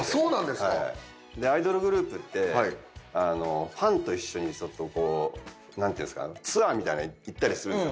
でアイドルグループってファンと一緒に何ていうんですかツアーみたいの行ったりするバスで。